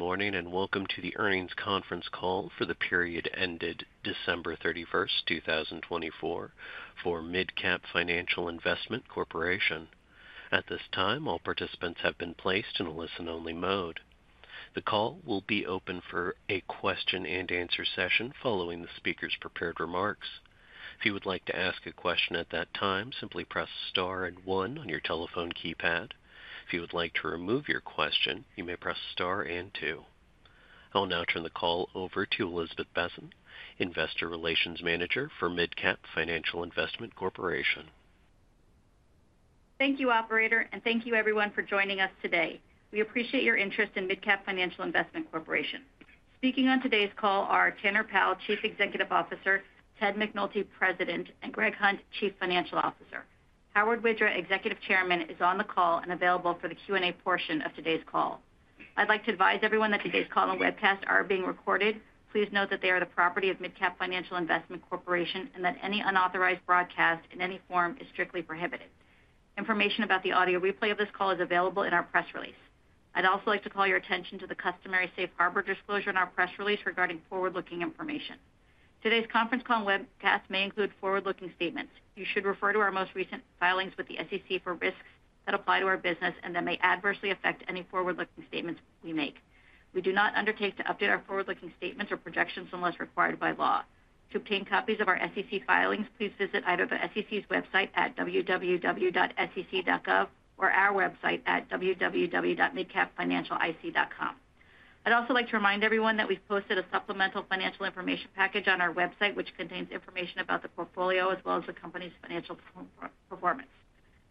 Good morning and welcome to the earnings conference call for the period ended December 31st, 2024, for MidCap Financial Investment Corporation. At this time, all participants have been placed in a listen-only mode. The call will be open for a question-and-answer session following the speaker's prepared remarks. If you would like to ask a question at that time, simply press star and one on your telephone keypad. If you would like to remove your question, you may press star and two. I'll now turn the call over to Elizabeth Besen, Investor Relations Manager for MidCap Financial Investment Corporation. Thank you, Operator, and thank you, everyone, for joining us today. We appreciate your interest in MidCap Financial Investment Corporation. Speaking on today's call are Tanner Powell, Chief Executive Officer; Ted McNulty, President; and Greg Hunt, Chief Financial Officer. Howard Widra, Executive Chairman, is on the call and available for the Q&A portion of today's call. I'd like to advise everyone that today's call and webcast are being recorded. Please note that they are the property of MidCap Financial Investment Corporation and that any unauthorized broadcast in any form is strictly prohibited. Information about the audio replay of this call is available in our press release. I'd also like to call your attention to the customary safe harbor disclosure in our press release regarding forward-looking information. Today's conference call and webcast may include forward-looking statements. You should refer to our most recent filings with the SEC for risks that apply to our business and that may adversely affect any forward-looking statements we make. We do not undertake to update our forward-looking statements or projections unless required by law. To obtain copies of our SEC filings, please visit either the SEC's website at www.sec.gov or our website at www.midcapfinancialic.com. I'd also like to remind everyone that we've posted a supplemental financial information package on our website, which contains information about the portfolio as well as the company's financial performance.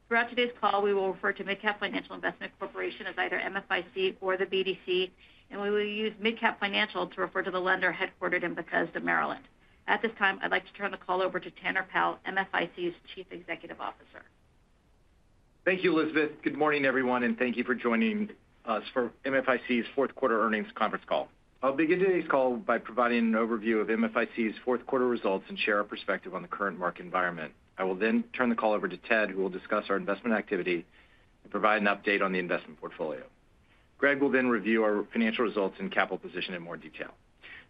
Throughout today's call, we will refer to MidCap Financial Investment Corporation as either MFIC or the BDC, and we will use MidCap Financial to refer to the lender headquartered in Bethesda, Maryland. At this time, I'd like to turn the call over to Tanner Powell, MFIC's Chief Executive Officer. Thank you, Elizabeth. Good morning, everyone, and thank you for joining us for MFIC's fourth quarter earnings conference call. I'll begin today's call by providing an overview of MFIC's fourth quarter results and share our perspective on the current market environment. I will then turn the call over to Ted, who will discuss our investment activity and provide an update on the investment portfolio. Greg will then review our financial results and capital position in more detail.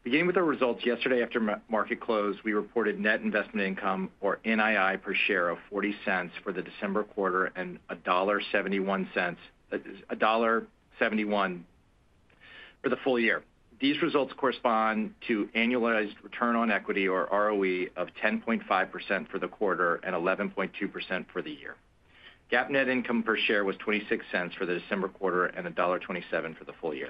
Beginning with our results, yesterday after market close, we reported net investment income, or NII per share, of $0.40 for the December quarter and $1.71 for the full year. These results correspond to annualized return on equity, or ROE, of 10.5% for the quarter and 11.2% for the year. GAAP net income per share was $0.26 for the December quarter and $1.27 for the full year.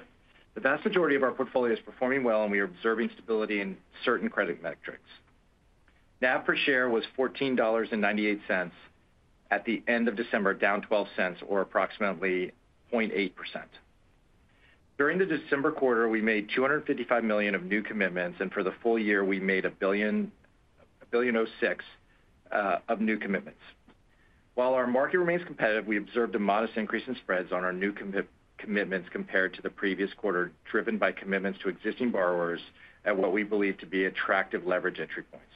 The vast majority of our portfolio is performing well, and we are observing stability in certain credit metrics. NAV per share was $14.98 at the end of December, down $0.12, or approximately 0.8%. During the December quarter, we made $255 million of new commitments, and for the full year, we made $1.06 billion of new commitments. While our market remains competitive, we observed a modest increase in spreads on our new commitments compared to the previous quarter, driven by commitments to existing borrowers at what we believe to be attractive leverage entry points.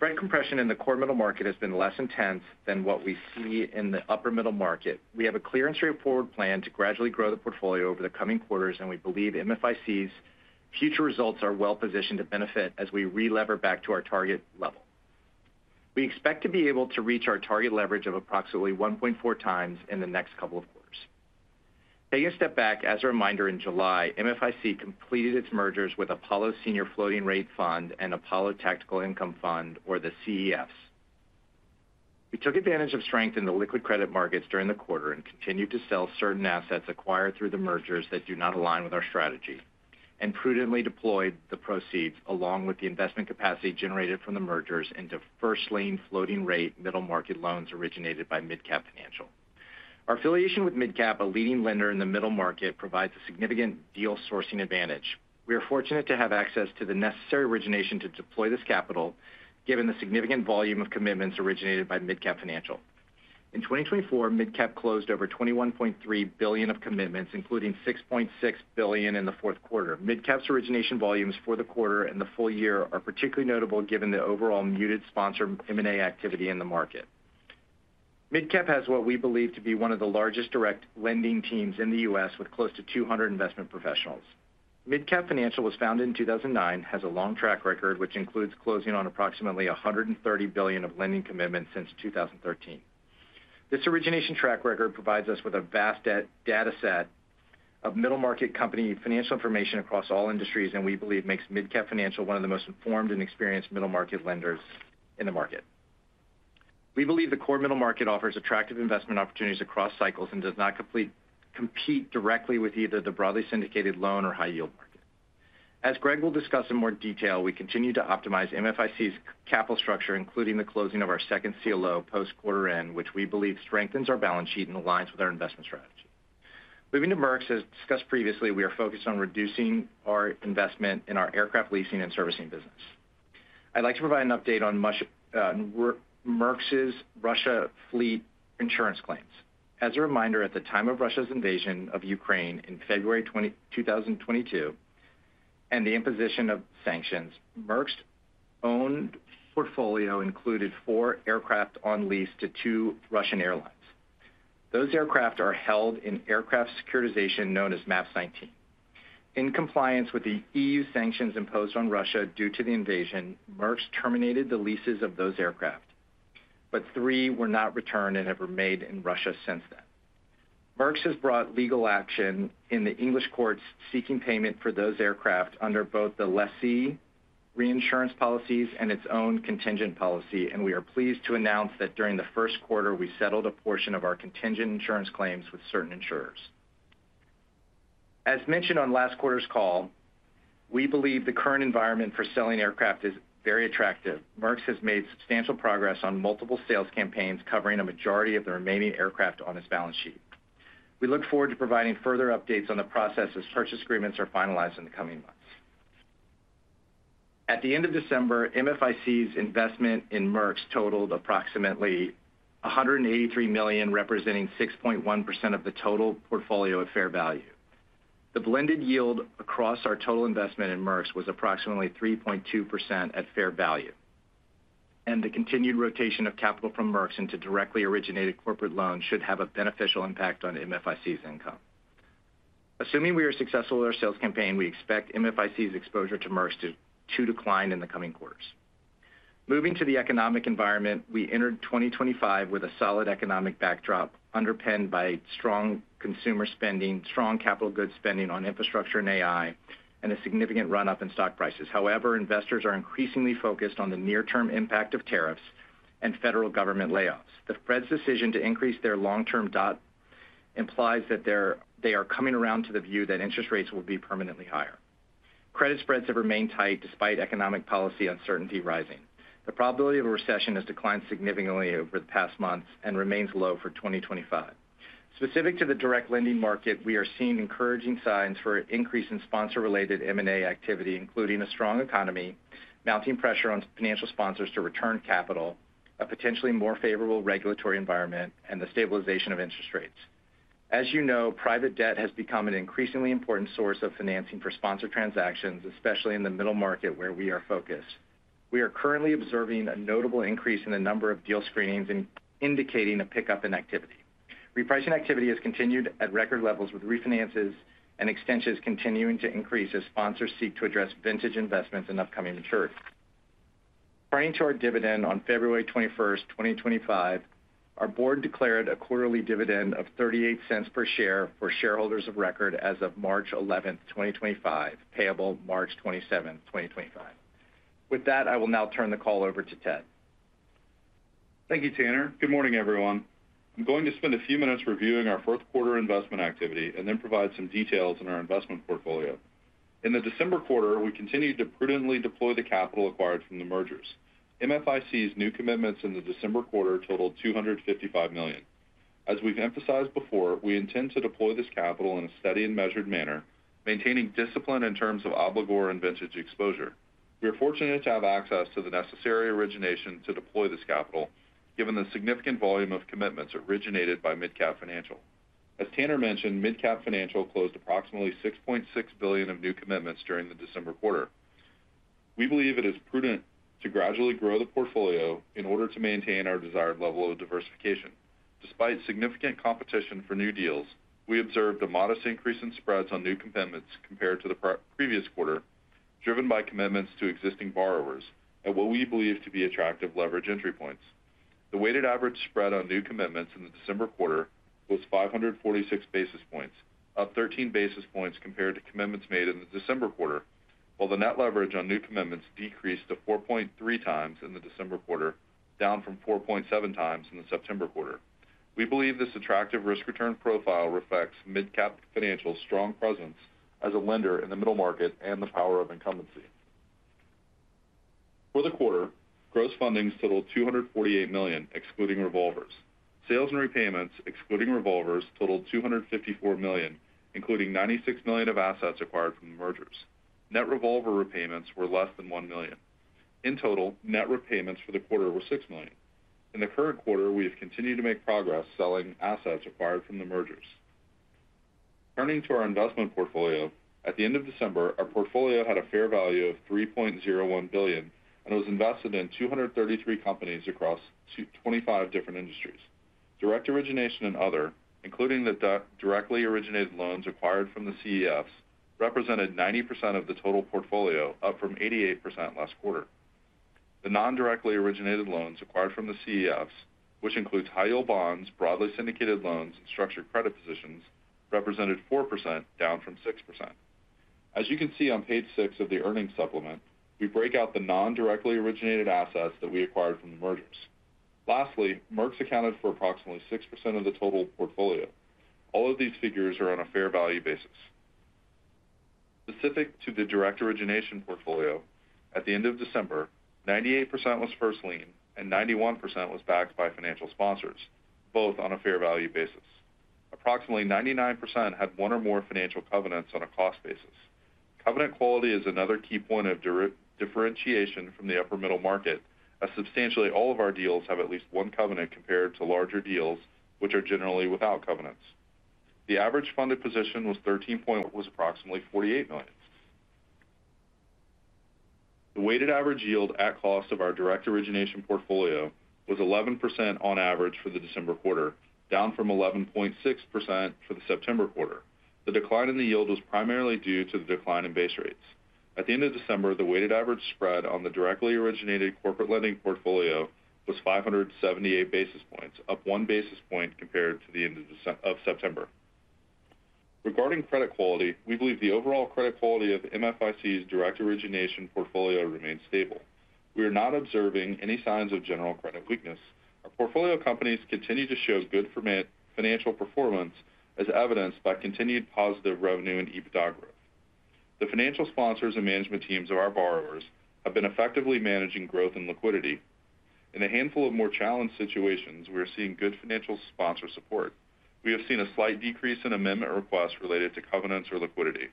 Spread compression in the core middle market has been less intense than what we see in the upper middle market. We have a clear and straightforward plan to gradually grow the portfolio over the coming quarters, and we believe MFIC's future results are well-positioned to benefit as we re-lever back to our target level. We expect to be able to reach our target leverage of approximately 1.4x in the next couple of quarters. Taking a step back, as a reminder, in July, MFIC completed its mergers with Apollo Senior Floating Rate Fund and Apollo Tactical Income Fund, or the CEFs. We took advantage of strength in the liquid credit markets during the quarter and continued to sell certain assets acquired through the mergers that do not align with our strategy and prudently deployed the proceeds along with the investment capacity generated from the mergers into first lien floating rate middle market loans originated by MidCap Financial. Our affiliation with MidCap, a leading lender in the middle market, provides a significant deal sourcing advantage. We are fortunate to have access to the necessary origination to deploy this capital, given the significant volume of commitments originated by MidCap Financial. In 2024, MidCap closed over $21.3 billion of commitments, including $6.6 billion in the fourth quarter. MidCap's origination volumes for the quarter and the full year are particularly notable given the overall muted sponsor M&A activity in the market. MidCap has what we believe to be one of the largest direct lending teams in the U.S., with close to 200 investment professionals. MidCap Financial was founded in 2009, has a long track record, which includes closing on approximately $130 billion of lending commitments since 2013. This origination track record provides us with a vast dataset of middle market company financial information across all industries, and we believe makes MidCap Financial one of the most informed and experienced middle market lenders in the market. We believe the core middle market offers attractive investment opportunities across cycles and does not compete directly with either the broadly syndicated loan or high-yield market. As Greg will discuss in more detail, we continue to optimize MFIC's capital structure, including the closing of our second CLO post-quarter end, which we believe strengthens our balance sheet and aligns with our investment strategy. Moving to Merx, as discussed previously, we are focused on reducing our investment in our aircraft leasing and servicing business. I'd like to provide an update on Merx's Russia fleet insurance claims. As a reminder, at the time of Russia's invasion of Ukraine in February 2022 and the imposition of sanctions, Merx's own portfolio included four aircraft on lease to two Russian airlines. Those aircraft are held in aircraft securitization known as MAPS 2019-1. In compliance with the EU sanctions imposed on Russia due to the invasion, Merx terminated the leases of those aircraft, but three were not returned and have remained in Russia since then. Merx has brought legal action in the English courts seeking payment for those aircraft under both the lessee reinsurance policies and its own contingent policy, and we are pleased to announce that during the first quarter, we settled a portion of our contingent insurance claims with certain insurers. As mentioned on last quarter's call, we believe the current environment for selling aircraft is very attractive. Merx has made substantial progress on multiple sales campaigns covering a majority of the remaining aircraft on its balance sheet. We look forward to providing further updates on the process as purchase agreements are finalized in the coming months. At the end of December, MFIC's investment in Merx totaled approximately $183 million, representing 6.1% of the total portfolio at fair value. The blended yield across our total investment in Merx was approximately 3.2% at fair value, and the continued rotation of capital from Merx into directly originated corporate loans should have a beneficial impact on MFIC's income. Assuming we are successful with our sales campaign, we expect MFIC's exposure to Merx to decline in the coming quarters. Moving to the economic environment, we entered 2025 with a solid economic backdrop underpinned by strong consumer spending, strong capital goods spending on infrastructure and AI, and a significant run-up in stock prices. However, investors are increasingly focused on the near-term impact of tariffs and federal government layoffs. The Fed's decision to increase their long-term dot implies that they are coming around to the view that interest rates will be permanently higher. Credit spreads have remained tight despite economic policy uncertainty rising. The probability of a recession has declined significantly over the past months and remains low for 2025. Specific to the direct lending market, we are seeing encouraging signs for an increase in sponsor-related M&A activity, including a strong economy, mounting pressure on financial sponsors to return capital, a potentially more favorable regulatory environment, and the stabilization of interest rates. As you know, private debt has become an increasingly important source of financing for sponsor transactions, especially in the middle market where we are focused. We are currently observing a notable increase in the number of deal screenings indicating a pickup in activity. Repricing activity has continued at record levels, with refinances and extensions continuing to increase as sponsors seek to address vintage investments and upcoming maturities. According to our dividend on February 21st, 2025, our board declared a quarterly dividend of $0.38 per share for shareholders of record as of March 11th, 2025, payable March 27th, 2025. With that, I will now turn the call over to Ted. Thank you, Tanner. Good morning, everyone. I'm going to spend a few minutes reviewing our fourth quarter investment activity and then provide some details on our investment portfolio. In the December quarter, we continued to prudently deploy the capital acquired from the mergers. MFIC's new commitments in the December quarter totaled $255 million. As we've emphasized before, we intend to deploy this capital in a steady and measured manner, maintaining discipline in terms of obligor and vintage exposure. We are fortunate to have access to the necessary origination to deploy this capital, given the significant volume of commitments originated by MidCap Financial. As Tanner mentioned, MidCap Financial closed approximately $6.6 billion of new commitments during the December quarter. We believe it is prudent to gradually grow the portfolio in order to maintain our desired level of diversification. Despite significant competition for new deals, we observed a modest increase in spreads on new commitments compared to the previous quarter, driven by commitments to existing borrowers at what we believe to be attractive leverage entry points. The weighted average spread on new commitments in the December quarter was 546 basis points, up 13 basis points compared to commitments made in the December quarter, while the net leverage on new commitments decreased to 4.3x in the December quarter, down from 4.7x in the September quarter. We believe this attractive risk-return profile reflects MidCap Financial's strong presence as a lender in the middle market and the power of incumbency. For the quarter, gross fundings totaled $248 million, excluding revolvers. Sales and repayments, excluding revolvers, totaled $254 million, including $96 million of assets acquired from the mergers. Net revolver repayments were less than $1 million. In total, net repayments for the quarter were $6 million. In the current quarter, we have continued to make progress selling assets acquired from the mergers. Turning to our investment portfolio, at the end of December, our portfolio had a fair value of $3.01 billion, and it was invested in 233 companies across 25 different industries. Direct origination and other, including the directly originated loans acquired from the CEFs, represented 90% of the total portfolio, up from 88% last quarter. The non-directly originated loans acquired from the CEFs, which includes high-yield bonds, broadly syndicated loans, and structured credit positions, represented 4%, down from 6%. As you can see on page six of the earnings supplement, we break out the non-directly originated assets that we acquired from the mergers. Lastly, Merx accounted for approximately 6% of the total portfolio. All of these figures are on a fair value basis. Specific to the direct origination portfolio, at the end of December, 98% was first lien and 91% was backed by financial sponsors, both on a fair value basis. Approximately 99% had one or more financial covenants on a cost basis. Covenant quality is another key point of differentiation from the upper middle market, as substantially all of our deals have at least one covenant compared to larger deals, which are generally without covenants. The average funded position was $13 million. It was approximately $48 million. The weighted average yield at cost of our direct origination portfolio was 11% on average for the December quarter, down from 11.6% for the September quarter. The decline in the yield was primarily due to the decline in base rates. At the end of December, the weighted average spread on the directly originated corporate lending portfolio was 578 basis points, up 1 basis point compared to the end of September. Regarding credit quality, we believe the overall credit quality of MFIC's direct origination portfolio remains stable. We are not observing any signs of general credit weakness. Our portfolio companies continue to show good financial performance, as evidenced by continued positive revenue and EBITDA growth. The financial sponsors and management teams of our borrowers have been effectively managing growth and liquidity. In a handful of more challenged situations, we are seeing good financial sponsor support. We have seen a slight decrease in amendment requests related to covenants or liquidity.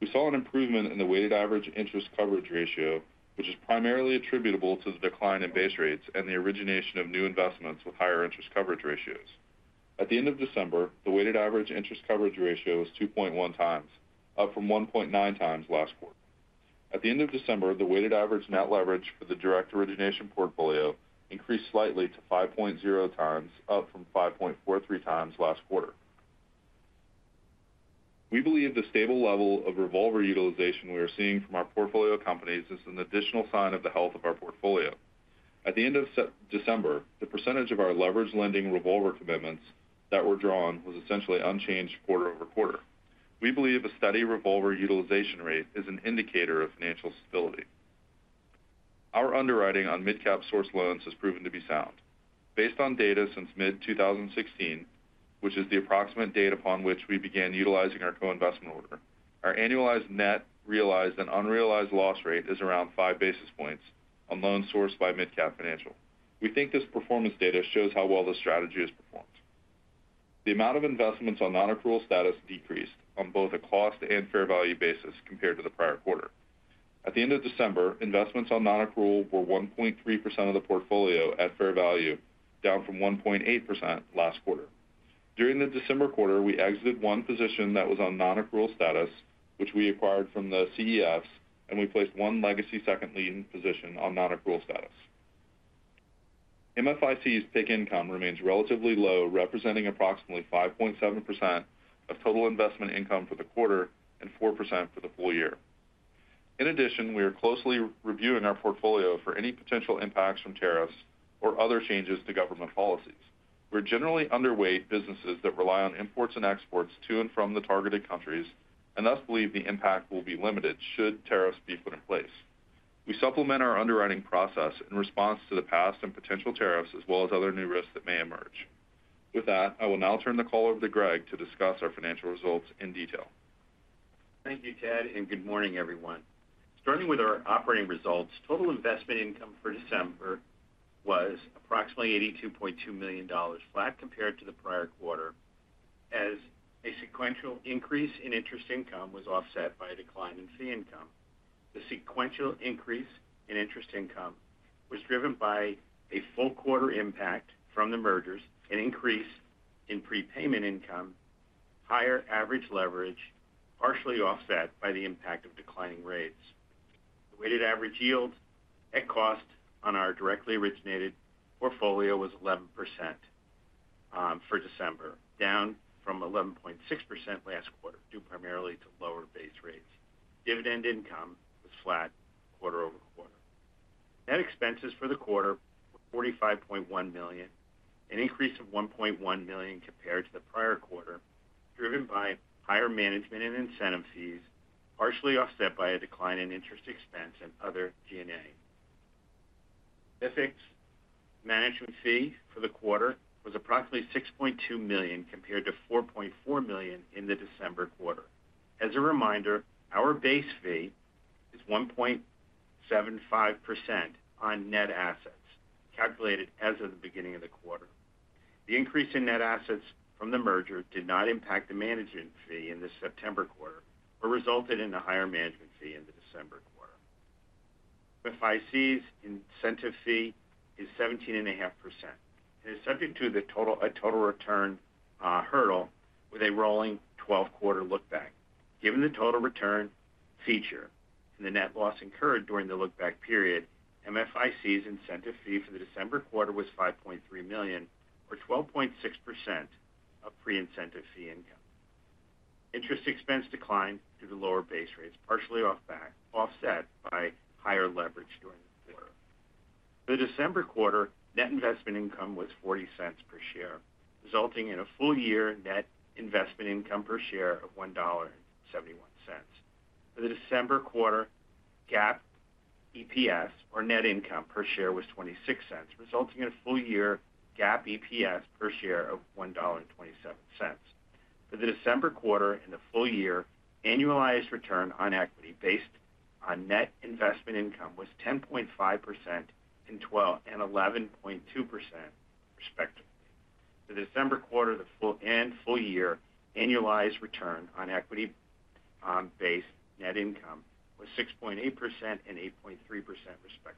We saw an improvement in the weighted average interest coverage ratio, which is primarily attributable to the decline in base rates and the origination of new investments with higher interest coverage ratios. At the end of December, the weighted average interest coverage ratio was 2.1x, up from 1.9x last quarter. At the end of December, the weighted average net leverage for the direct origination portfolio increased slightly to 5.0x, up from 5.43x last quarter. We believe the stable level of revolver utilization we are seeing from our portfolio companies is an additional sign of the health of our portfolio. At the end of December, the percentage of our leveraged lending revolver commitments that were drawn was essentially unchanged quarter-over-quarter. We believe a steady revolver utilization rate is an indicator of financial stability. Our underwriting on MidCap-sourced loans has proven to be sound. Based on data since mid-2016, which is the approximate date upon which we began utilizing our co-investment order, our annualized net realized and unrealized loss rate is around five basis points on loans sourced by MidCap Financial. We think this performance data shows how well the strategy has performed. The amount of investments on non-accrual status decreased on both a cost and fair value basis compared to the prior quarter. At the end of December, investments on non-accrual were 1.3% of the portfolio at fair value, down from 1.8% last quarter. During the December quarter, we exited one position that was on non-accrual status, which we acquired from the CEFs, and we placed one legacy second lien position on non-accrual status. MFIC's PIK income remains relatively low, representing approximately 5.7% of total investment income for the quarter and 4% for the full year. In addition, we are closely reviewing our portfolio for any potential impacts from tariffs or other changes to government policies. We're generally underweight businesses that rely on imports and exports to and from the targeted countries and thus believe the impact will be limited should tariffs be put in place. We supplement our underwriting process in response to the past and potential tariffs, as well as other new risks that may emerge. With that, I will now turn the call over to Greg to discuss our financial results in detail. Thank you, Ted, and good morning, everyone. Starting with our operating results, total investment income for December was approximately $82.2 million, flat compared to the prior quarter, as a sequential increase in interest income was offset by a decline in fee income. The sequential increase in interest income was driven by a full quarter impact from the mergers, an increase in prepayment income, higher average leverage, partially offset by the impact of declining rates. The weighted average yield at cost on our directly originated portfolio was 11% for December, down from 11.6% last quarter, due primarily to lower base rates. Dividend income was flat quarter-over-quarter. Net expenses for the quarter were $45.1 million, an increase of $1.1 million compared to the prior quarter, driven by higher management and incentive fees, partially offset by a decline in interest expense and other G&A. MFIC management fee for the quarter was approximately $6.2 million compared to $4.4 million in the December quarter. As a reminder, our base fee is 1.75% on net assets calculated as of the beginning of the quarter. The increase in net assets from the merger did not impact the management fee in the September quarter but resulted in a higher management fee in the December quarter. MFIC's incentive fee is 17.5% and is subject to a total return hurdle with a rolling 12-quarter lookback. Given the total return feature and the net loss incurred during the lookback period, MFIC's incentive fee for the December quarter was $5.3 million, or 12.6% of pre-incentive fee income. Interest expense declined due to lower base rates, partially offset by higher leverage during the quarter. For the December quarter, net investment income was $0.40 per share, resulting in a full-year net investment income per share of $1.71. For the December quarter, GAAP EPS, or net income per share, was $0.26, resulting in a full-year GAAP EPS per share of $1.27. For the December quarter and the full-year, annualized return on equity based on net investment income was 10.5% and 11.2%, respectively. For the December quarter and full-year, annualized return on equity based net income was 6.8% and 8.3%, respectively.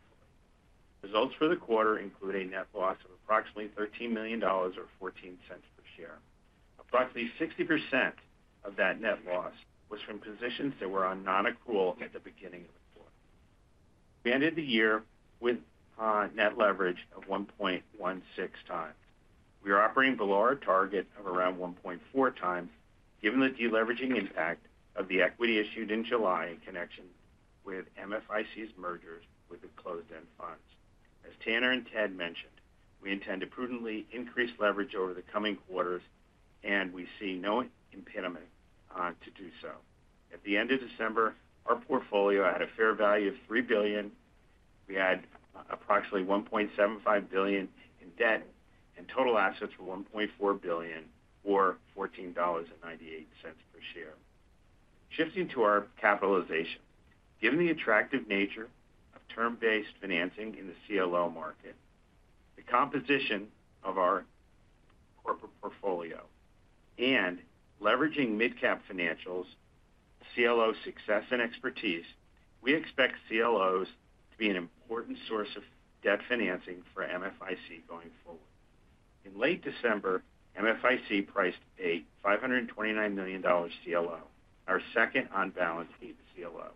Results for the quarter include a net loss of approximately $13 million, or $0.14 per share. Approximately 60% of that net loss was from positions that were on non-accrual at the beginning of the quarter. We ended the year with net leverage of 1.16x. We are operating below our target of around 1.4x, given the deleveraging impact of the equity issued in July in connection with MFIC's mergers with the closed-end funds. As Tanner and Ted mentioned, we intend to prudently increase leverage over the coming quarters, and we see no impediment to do so. At the end of December, our portfolio had a fair value of $3 billion. We had approximately $1.75 billion in debt, and total assets were $1.4 billion, or $14.98 per share. Shifting to our capitalization, given the attractive nature of term-based financing in the CLO market, the composition of our corporate portfolio, and leveraging MidCap Financial's CLO success and expertise, we expect CLOs to be an important source of debt financing for MFIC going forward. In late December, MFIC priced a $529 million CLO, our second on-balance sheet CLO,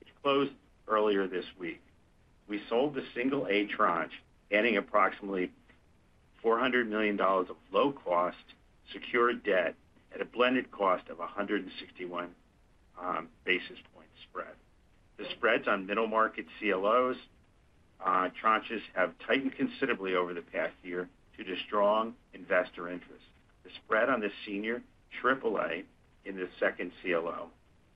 which closed earlier this week. We sold the single-A tranche, adding approximately $400 million of low-cost secured debt at a blended cost of 161 basis points spread. The spreads on middle-market CLOs tranches have tightened considerably over the past year due to strong investor interest. The spread on the senior AAA in the second CLO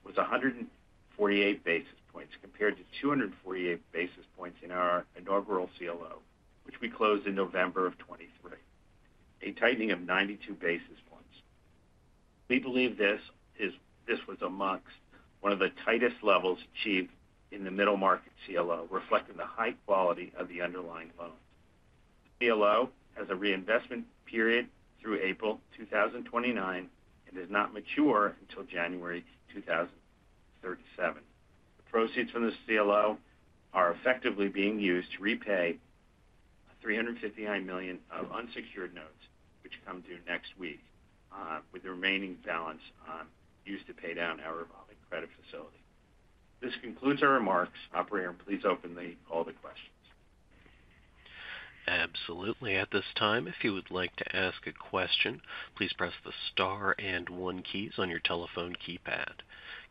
was 148 basis points compared to 248 basis points in our inaugural CLO, which we closed in November of 2023, a tightening of 92 basis points. We believe this was amongst one of the tightest levels achieved in the middle-market CLO, reflecting the high quality of the underlying loans. The CLO has a reinvestment period through April 2029 and does not mature until January 2037. The proceeds from this CLO are effectively being used to repay $359 million of unsecured notes, which come due next week, with the remaining balance used to pay down our revolving credit facility. This concludes our remarks. Operator, please open the call for questions. Absolutely. At this time, if you would like to ask a question, please press the star and one keys on your telephone keypad.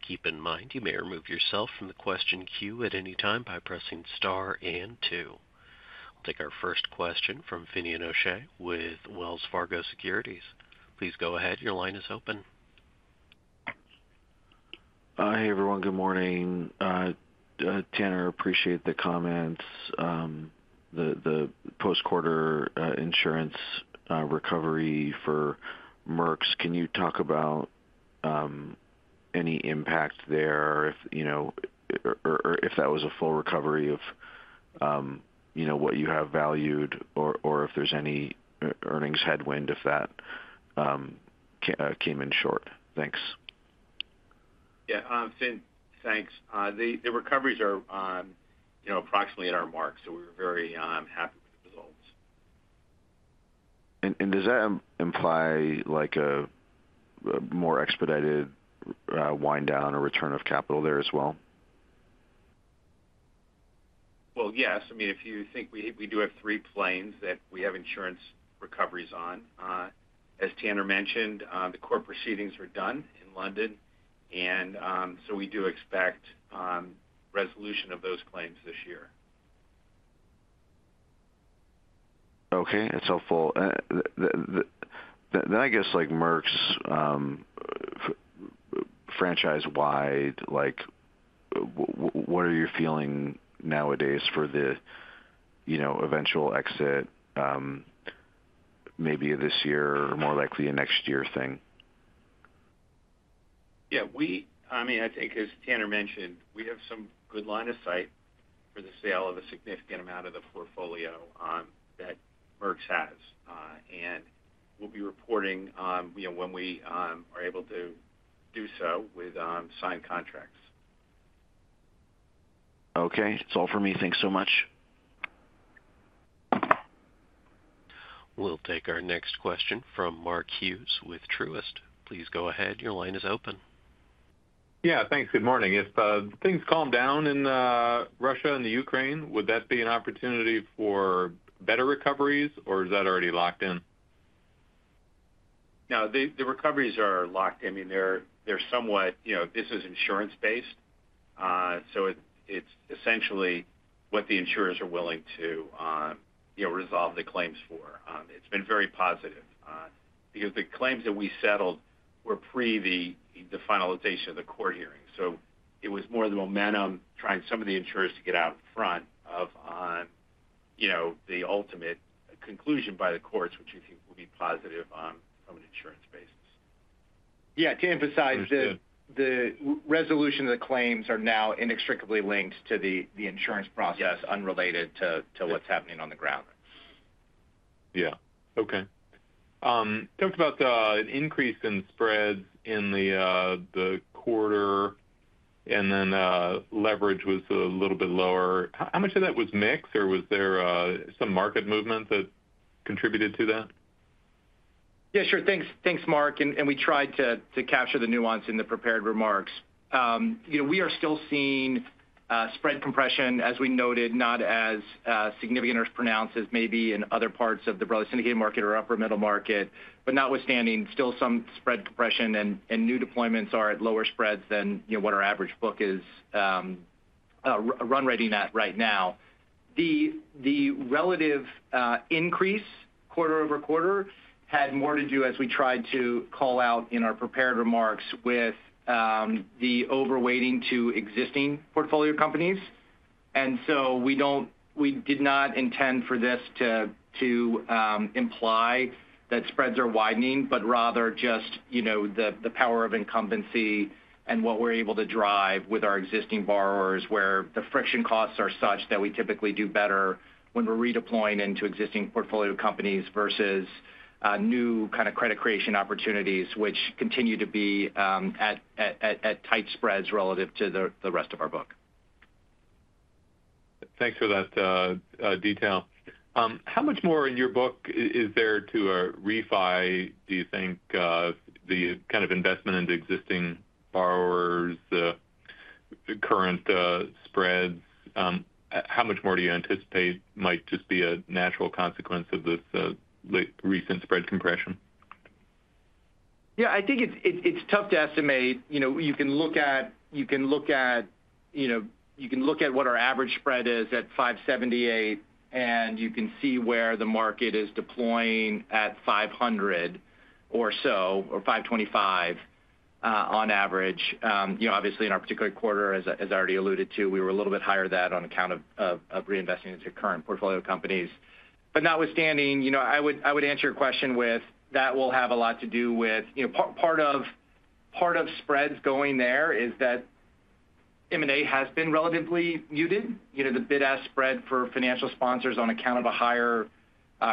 Keep in mind you may remove yourself from the question queue at any time by pressing star and two. We'll take our first question from Finian O'Shea with Wells Fargo Securities. Please go ahead. Your line is open. Hi, everyone. Good morning. Tanner, I appreciate the comments. The post-quarter insurance recovery for Merx's, can you talk about any impact there or if that was a full recovery of what you have valued or if there's any earnings headwind if that came in short? Thanks. Yeah. Thanks. The recoveries are approximately at our mark, so we're very happy with the results. Does that imply a more expedited wind down or return of capital there as well? Yes. I mean, if you think we do have three planes that we have insurance recoveries on. As Tanner mentioned, the court proceedings are done in London, and so we do expect resolution of those claims this year. Okay. That's helpful. Then I guess Merx's franchise-wide, what are you feeling nowadays for the eventual exit, maybe this year or more likely next year thing? Yeah. I mean, I think, as Tanner mentioned, we have some good line of sight for the sale of a significant amount of the portfolio that Merx's has, and we'll be reporting when we are able to do so with signed contracts. Okay. That's all for me. Thanks so much. We'll take our next question from Mark Hughes with Truist. Please go ahead. Your line is open. Yeah. Thanks. Good morning. If things calm down in Russia and the Ukraine, would that be an opportunity for better recoveries, or is that already locked in? No. The recoveries are locked in. I mean, they're somewhat. This is insurance-based, so it's essentially what the insurers are willing to resolve the claims for. It's been very positive because the claims that we settled were pre the finalization of the court hearing. So it was more the momentum trying some of the insurers to get out front of the ultimate conclusion by the courts, which we think will be positive from an insurance basis. Yeah. To emphasize the resolution of the claims are now inextricably linked to the insurance process unrelated to what's happening on the ground. Yeah. Okay. Talked about an increase in spreads in the quarter, and then leverage was a little bit lower. How much of that was mixed, or was there some market movement that contributed to that? Yeah. Sure. Thanks, Mark, and we tried to capture the nuance in the prepared remarks. We are still seeing spread compression, as we noted, not as significant or as pronounced as maybe in other parts of the broadly syndicated market or upper middle market. But, notwithstanding, still some spread compression, and new deployments are at lower spreads than what our average book is running at right now. The relative increase quarter-over-quarter had more to do, as we tried to call out in our prepared remarks, with the overweighting to existing portfolio companies. We did not intend for this to imply that spreads are widening, but rather just the power of incumbency and what we're able to drive with our existing borrowers, where the friction costs are such that we typically do better when we're redeploying into existing portfolio companies versus new kind of credit creation opportunities, which continue to be at tight spreads relative to the rest of our book. Thanks for that detail. How much more in your book is there to refi, do you think, the kind of investment into existing borrowers, the current spreads? How much more do you anticipate might just be a natural consequence of this recent spread compression? Yeah. I think it's tough to estimate. You can look at what our average spread is at 578, and you can see where the market is deploying at 500 or so, or 525 on average. Obviously, in our particular quarter, as I already alluded to, we were a little bit higher than that on account of reinvesting into current portfolio companies. But notwithstanding, I would answer your question with that will have a lot to do with part of spreads going there is that M&A has been relatively muted. The bid-ask spread for financial sponsors on account of a higher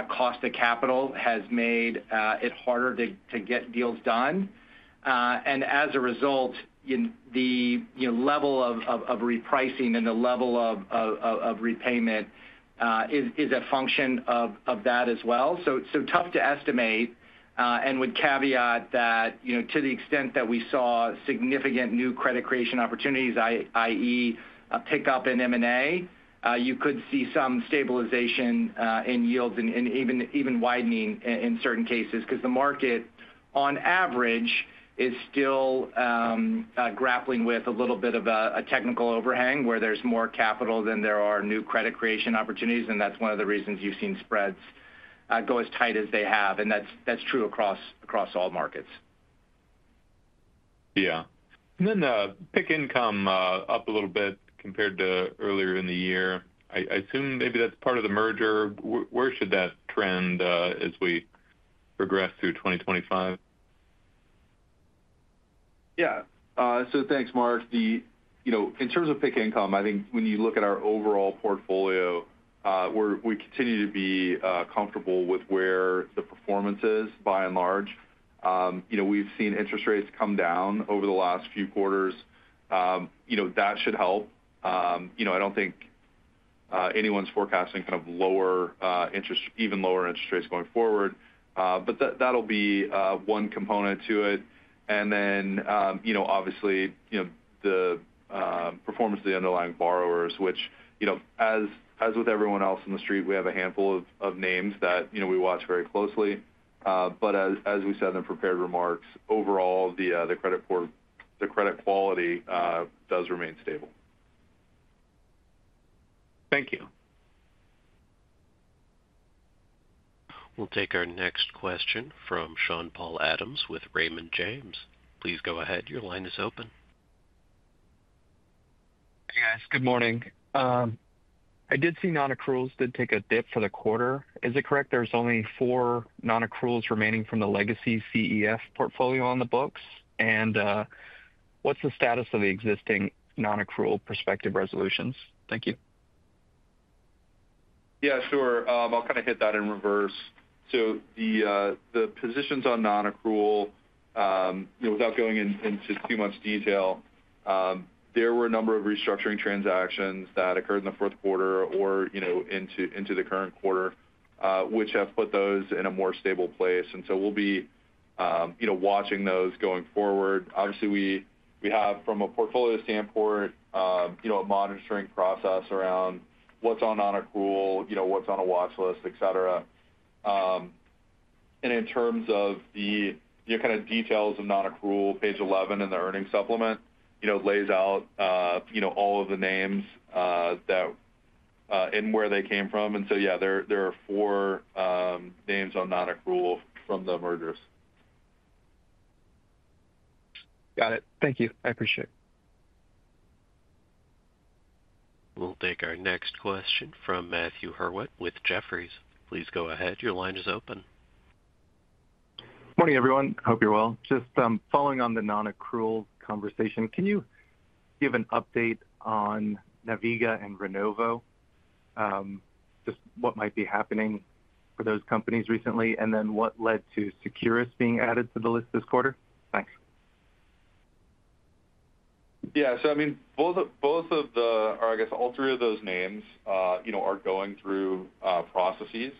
cost of capital has made it harder to get deals done. And as a result, the level of repricing and the level of repayment is a function of that as well. So tough to estimate, and would caveat that to the extent that we saw significant new credit creation opportunities, i.e., a pickup in M&A, you could see some stabilization in yields and even widening in certain cases because the market, on average, is still grappling with a little bit of a technical overhang where there's more capital than there are new credit creation opportunities. And that's one of the reasons you've seen spreads go as tight as they have. And that's true across all markets. Yeah. And then PIK income up a little bit compared to earlier in the year. I assume maybe that's part of the merger. Where should that trend as we progress through 2025? Yeah. So thanks, Mark. In terms of PIK income, I think when you look at our overall portfolio, we continue to be comfortable with where the performance is by and large. We've seen interest rates come down over the last few quarters. That should help. I don't think anyone's forecasting kind of even lower interest rates going forward, but that'll be one component to it. And then, obviously, the performance of the underlying borrowers, which, as with everyone else in the street, we have a handful of names that we watch very closely. But as we said in the prepared remarks, overall, the credit quality does remain stable. Thank you. We'll take our next question from Sean-Paul Adams with Raymond James. Please go ahead. Your line is open. Hey, guys. Good morning. I did see non-accruals did take a dip for the quarter. Is it correct there's only four non-accruals remaining from the legacy CEF portfolio on the books? And what's the status of the existing non-accrual prospective resolutions? Thank you. Yeah. Sure. I'll kind of hit that in reverse. So the positions on non-accrual, without going into too much detail, there were a number of restructuring transactions that occurred in the fourth quarter or into the current quarter, which have put those in a more stable place. And so we'll be watching those going forward. Obviously, we have, from a portfolio standpoint, a monitoring process around what's on non-accrual, what's on a watch list, etc. And in terms of the kind of details of non-accrual, page 11 in the earnings supplement lays out all of the names and where they came from. And so, yeah, there are four names on non-accrual from the mergers. Got it. Thank you. I appreciate it. We'll take our next question from Matthew Howlett with Jefferies. Please go ahead. Your line is open. Morning, everyone. Hope you're well. Just following on the non-accrual conversation, can you give an update on Naviga and Renovo? Just what might be happening for those companies recently, and then what led to Securus being added to the list this quarter? Thanks. Yeah. So, I mean, both of the, or I guess all three of those names are going through processes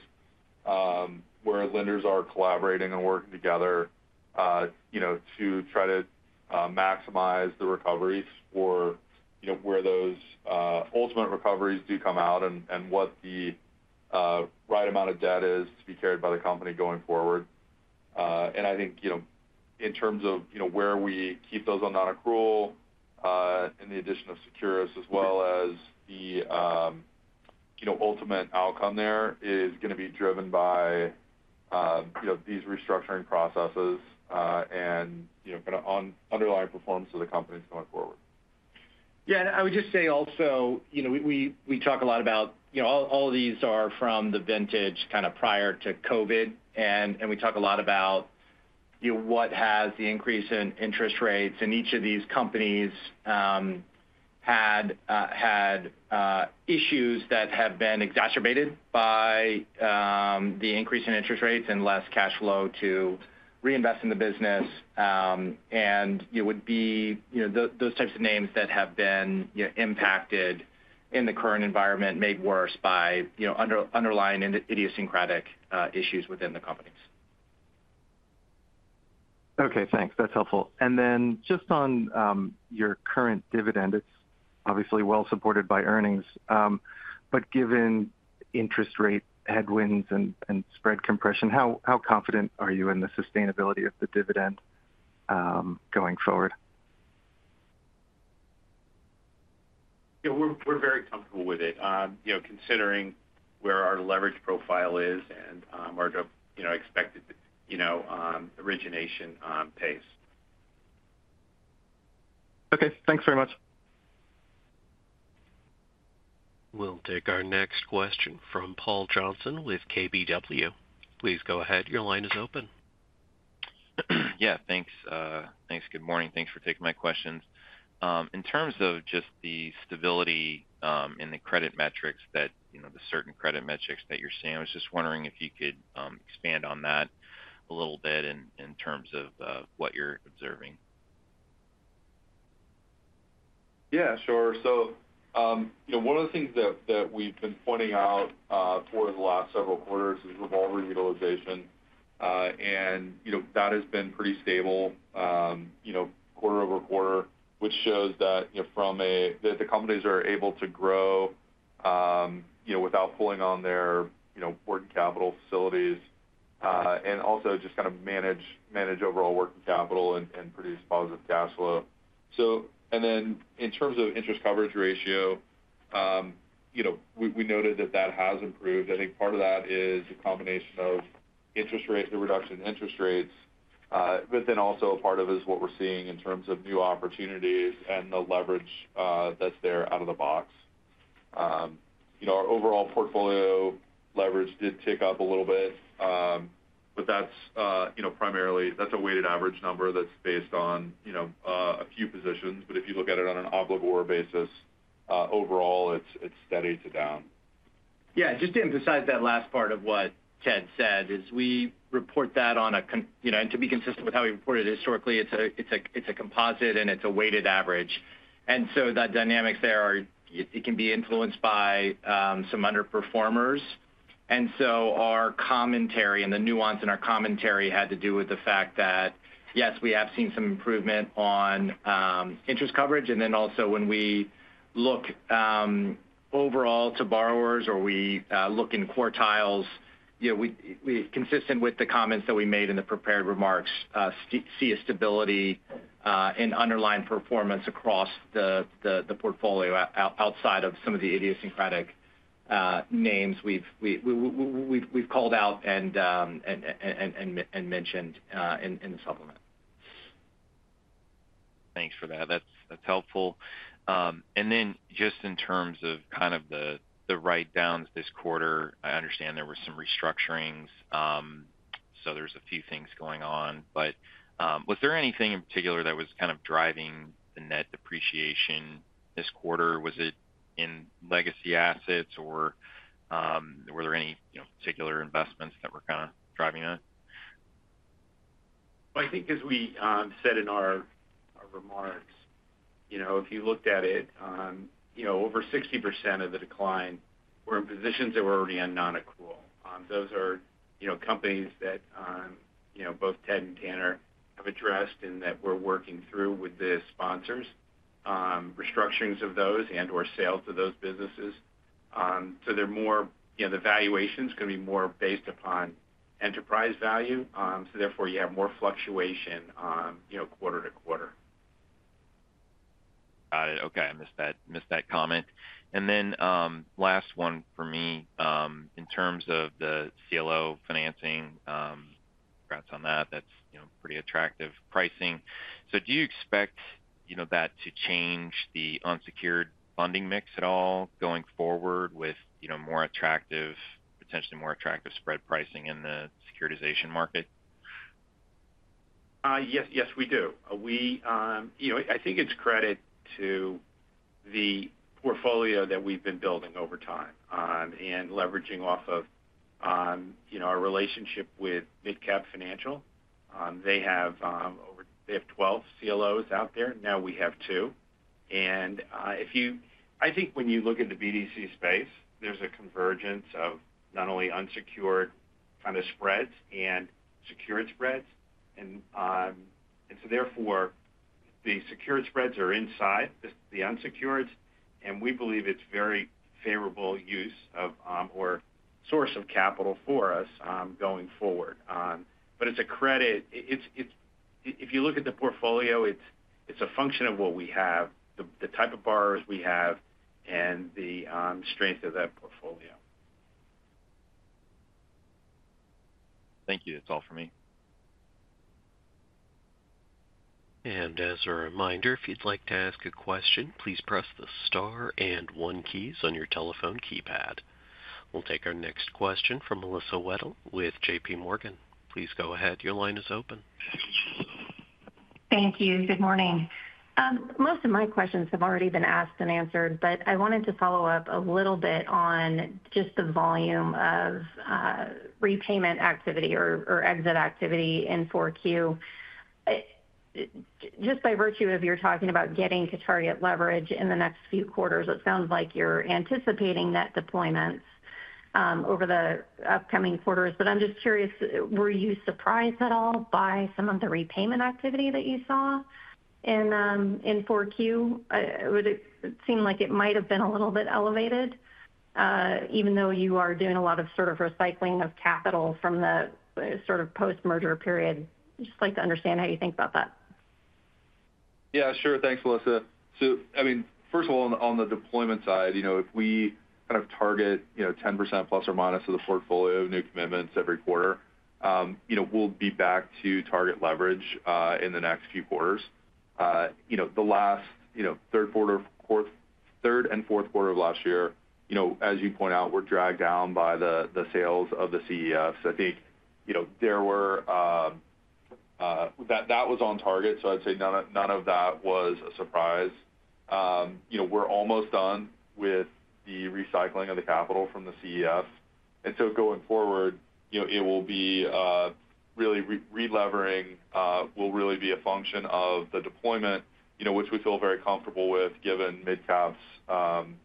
where lenders are collaborating and working together to try to maximize the recoveries for where those ultimate recoveries do come out and what the right amount of debt is to be carried by the company going forward. And I think in terms of where we keep those on non-accrual in the addition of Securus, as well as the ultimate outcome there is going to be driven by these restructuring processes and kind of underlying performance of the companies going forward. Yeah. And I would just say also, we talk a lot about all of these are from the vintage kind of prior to COVID. And we talk a lot about what has the increase in interest rates. And each of these companies had issues that have been exacerbated by the increase in interest rates and less cash flow to reinvest in the business. And it would be those types of names that have been impacted in the current environment made worse by underlying idiosyncratic issues within the companies. Okay. Thanks. That's helpful. And then just on your current dividend, it's obviously well supported by earnings. But given interest rate headwinds and spread compression, how confident are you in the sustainability of the dividend going forward? Yeah. We're very comfortable with it, considering where our leverage profile is and our expected origination pace. Okay. Thanks very much. We'll take our next question from Paul Johnson with KBW. Please go ahead. Your line is open. Yeah. Thanks. Thanks. Good morning. Thanks for taking my questions. In terms of just the stability in the credit metrics, the certain credit metrics that you're seeing, I was just wondering if you could expand on that a little bit in terms of what you're observing? Yeah. Sure. So, one of the things that we've been pointing out for the last several quarters is revolver utilization, and that has been pretty stable quarter-over-quarter, which shows that the companies are able to grow without pulling on their working capital facilities and also just kind of manage overall working capital and produce positive cash flow, and then in terms of interest coverage ratio, we noted that that has improved. I think part of that is a combination of reduction in interest rates, but then also a part of it is what we're seeing in terms of new opportunities and the leverage that's there out of the box. Our overall portfolio leverage did tick up a little bit, but that's primarily a weighted average number that's based on a few positions, but if you look at it on an obligor basis, overall, it's steady to down. Yeah. Just to emphasize that last part of what Ted said is we report that on a—and to be consistent with how we reported historically, it's a composite and it's a weighted average. And so that dynamic there, it can be influenced by some underperformers. And so our commentary and the nuance in our commentary had to do with the fact that, yes, we have seen some improvement on interest coverage. And then also when we look overall to borrowers or we look in quartiles, consistent with the comments that we made in the prepared remarks, see a stability in underlying performance across the portfolio outside of some of the idiosyncratic names we've called out and mentioned in the supplement. Thanks for that. That's helpful. And then just in terms of kind of the write-downs this quarter, I understand there were some restructurings. So there's a few things going on. But was there anything in particular that was kind of driving the net depreciation this quarter? Was it in legacy assets, or were there any particular investments that were kind of driving that? I think as we said in our remarks, if you looked at it, over 60% of the decline were in positions that were already in non-accrual. Those are companies that both Ted and Tanner have addressed and that we're working through with the sponsors, restructurings of those and/or sales to those businesses. The valuation is going to be more based upon enterprise value. Therefore, you have more fluctuation quarter to quarter. Got it. Okay. I missed that comment and then last one for me in terms of the CLO financing, perhaps on that, that's pretty attractive pricing, so do you expect that to change the unsecured funding mix at all going forward with potentially more attractive spread pricing in the securitization market? Yes. Yes, we do. I think it's credit to the portfolio that we've been building over time and leveraging off of our relationship with MidCap Financial. They have 12 CLOs out there. Now we have two. And I think when you look at the BDC space, there's a convergence of not only unsecured kind of spreads and secured spreads. And so therefore, the secured spreads are inside the unsecured. And we believe it's very favorable use of or source of capital for us going forward. But it's a credit - if you look at the portfolio, it's a function of what we have, the type of borrowers we have, and the strength of that portfolio. Thank you. That's all for me. As a reminder, if you'd like to ask a question, please press the star and one keys on your telephone keypad. We'll take our next question from Melissa Wedel with JPMorgan. Please go ahead. Your line is open. Thank you. Good morning. Most of my questions have already been asked and answered, but I wanted to follow up a little bit on just the volume of repayment activity or exit activity in 4Q. Just by virtue of your talking about getting to target leverage in the next few quarters, it sounds like you're anticipating net deployments over the upcoming quarters. But I'm just curious, were you surprised at all by some of the repayment activity that you saw in 4Q? It seemed like it might have been a little bit elevated, even though you are doing a lot of sort of recycling of capital from the sort of post-merger period. Just like to understand how you think about that. Yeah. Sure. Thanks, Melissa, so I mean, first of all, on the deployment side, if we kind of target 10% ± of the portfolio of new commitments every quarter, we'll be back to target leverage in the next few quarters. The last third and fourth quarter of last year, as you point out, were dragged down by the sales of the CEF, so I think that was on target, so I'd say none of that was a surprise. We're almost done with the recycling of the capital from the CEF, and so going forward, it will be really re-levering will really be a function of the deployment, which we feel very comfortable with given MidCap's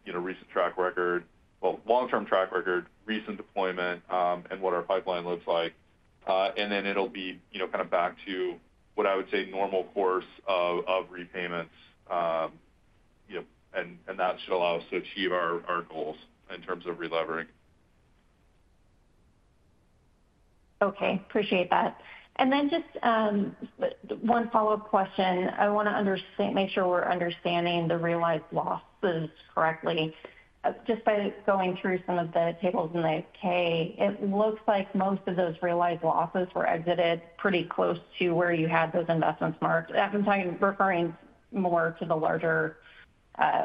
recent track record, well, long-term track record, recent deployment, and what our pipeline looks like. And then it'll be kind of back to what I would say normal course of repayments. That should allow us to achieve our goals in terms of re-levering. Okay. Appreciate that. And then just one follow-up question. I want to make sure we're understanding the realized losses correctly. Just by going through some of the tables in the K, it looks like most of those realized losses were exited pretty close to where you had those investments marked. I'm referring more to the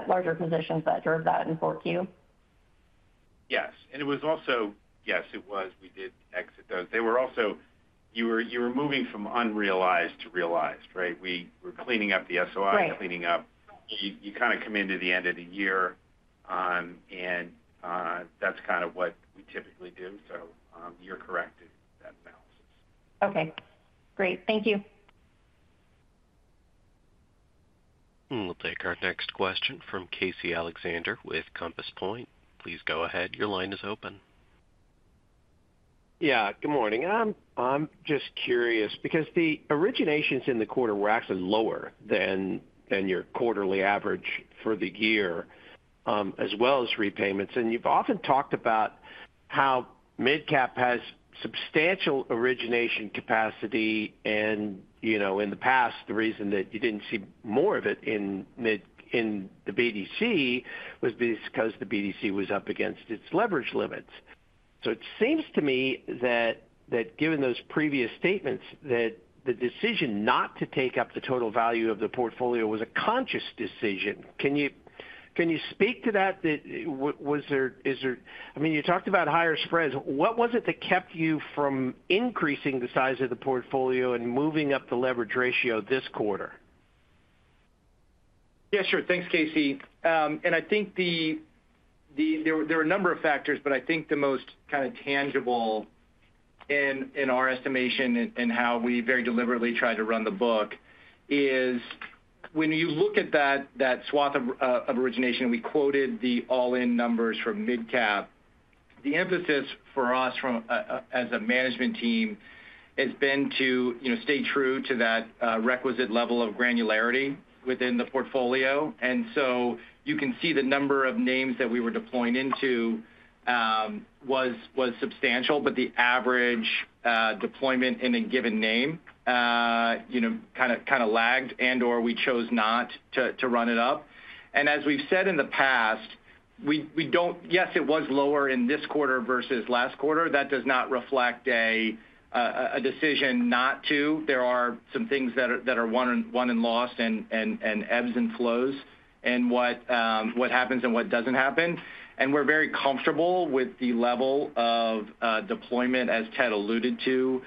larger positions that drove that in 4Q. Yes. And it was also. Yes, it was. We did exit those. They were also. You were moving from unrealized to realized, right? We were cleaning up the SOI, cleaning up. You kind of come into the end of the year, and that's kind of what we typically do. So you're correct in that analysis. Okay. Great. Thank you. We'll take our next question from Casey Alexander with Compass Point. Please go ahead. Your line is open. Yeah. Good morning. I'm just curious because the originations in the quarter were actually lower than your quarterly average for the year, as well as repayments. And you've often talked about how MidCap has substantial origination capacity. And in the past, the reason that you didn't see more of it in the BDC was because the BDC was up against its leverage limits. So it seems to me that given those previous statements, that the decision not to take up the total value of the portfolio was a conscious decision. Can you speak to that? Is there? I mean, you talked about higher spreads. What was it that kept you from increasing the size of the portfolio and moving up the leverage ratio this quarter? Yeah. Sure. Thanks, Casey. I think there are a number of factors, but I think the most kind of tangible in our estimation and how we very deliberately try to run the book is when you look at that swath of origination, and we quoted the all-in numbers from MidCap. The emphasis for us as a management team has been to stay true to that requisite level of granularity within the portfolio. So you can see the number of names that we were deploying into was substantial, but the average deployment in a given name kind of lagged, and/or we chose not to run it up. As we've said in the past, yes, it was lower in this quarter versus last quarter. That does not reflect a decision not to. There are some things that are won and lost and ebbs and flows and what happens and what doesn't happen. And we're very comfortable with the level of deployment, as Ted alluded to.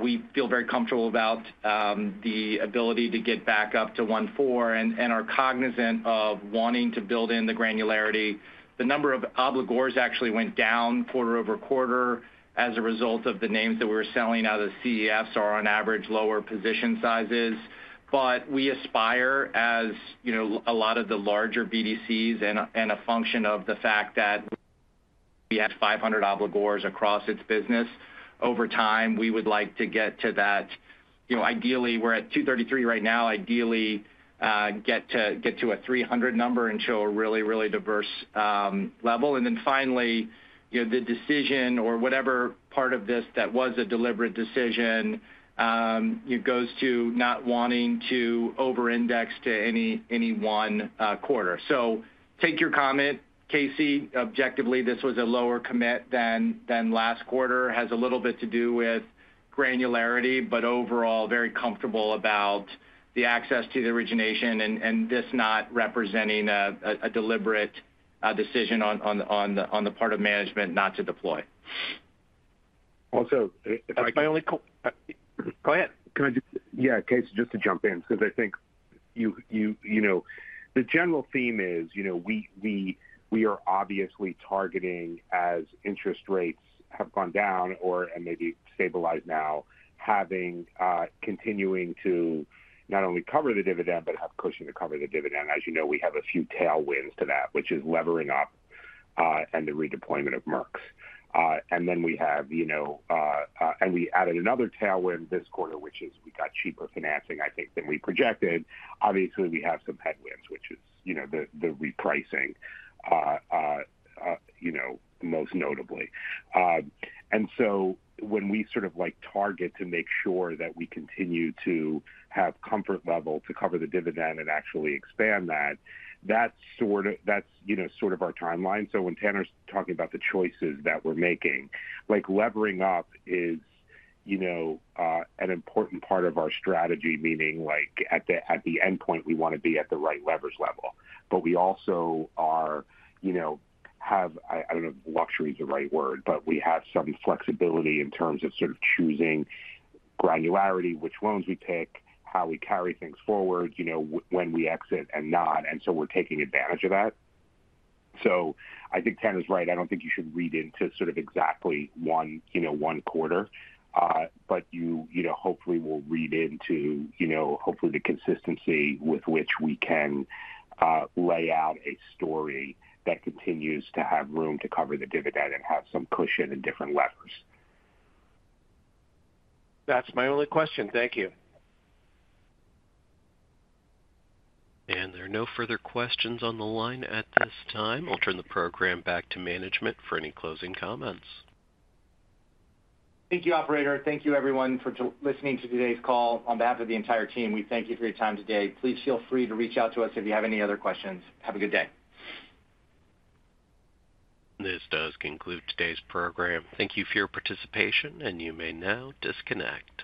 We feel very comfortable about the ability to get back up to 1.4 and are cognizant of wanting to build in the granularity. The number of obligors actually went down quarter-over-quarter as a result of the names that we were selling out of the CEFs or, on average, lower position sizes. But we aspire, as a lot of the larger BDCs and a function of the fact that we had 500 obligors across its business, over time, we would like to get to that. Ideally, we're at 233 right now. Ideally, get to a 300 number and show a really, really diverse level. And then finally, the decision or whatever part of this that was a deliberate decision goes to not wanting to over-index to any one quarter. So take your comment, Casey. Objectively, this was a lower commit than last quarter. Has a little bit to do with granularity, but overall, very comfortable about the access to the origination and this not representing a deliberate decision on the part of management not to deploy. Also, if I can, go ahead. Can I just, yeah, Casey, just to jump in because I think the general theme is we are obviously targeting, as interest rates have gone down and maybe stabilized now, continuing to not only cover the dividend but have cushion to cover the dividend. As you know, we have a few tailwinds to that, which is levering up and the redeployment of Merx's. And then we have, and we added another tailwind this quarter, which is we got cheaper financing, I think, than we projected. Obviously, we have some headwinds, which is the repricing, most notably. And so when we sort of target to make sure that we continue to have comfort level to cover the dividend and actually expand that, that's sort of our timeline. So when Tanner's talking about the choices that we're making, levering up is an important part of our strategy, meaning at the end point, we want to be at the right leverage level. But we also have, I don't know if luxury is the right word, but we have some flexibility in terms of sort of choosing granularity, which loans we pick, how we carry things forward, when we exit and not. And so we're taking advantage of that. So I think Tanner's right. I don't think you should read into sort of exactly one quarter, but you hopefully will read into hopefully the consistency with which we can lay out a story that continues to have room to cover the dividend and have some cushion in different levers. That's my only question. Thank you. There are no further questions on the line at this time. I'll turn the program back to management for any closing comments. Thank you, operator. Thank you, everyone, for listening to today's call. On behalf of the entire team, we thank you for your time today. Please feel free to reach out to us if you have any other questions. Have a good day. This does conclude today's program. Thank you for your participation, and you may now disconnect.